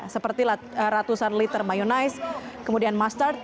seperti ratusan liter mayonnaise kemudian mustard